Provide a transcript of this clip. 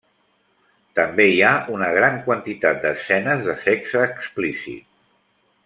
També hi ha una gran quantitat d'escenes de sexe explícit.